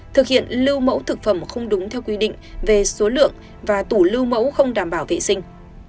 thực hiện lưu mẫu thực phẩm không đúng theo quy định về số lượng và tủ lưu mẫu không đảm bảo vệ sinh